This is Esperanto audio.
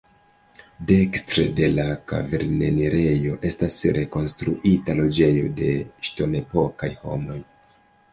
Dekstre de la kavernenirejo estas rekonstruita loĝejo de ŝtonepokaj homoj.